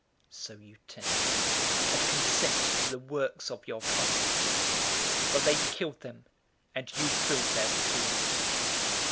011:048 So you testify and consent to the works of your fathers. For they killed them, and you build their tombs.